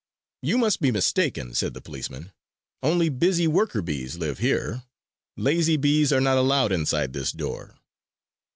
"You must be mistaken," said the policemen. "Only busy worker bees live here! Lazy bees are not allowed inside this door!"